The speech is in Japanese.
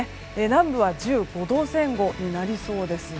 南部は１５度前後になりそうです。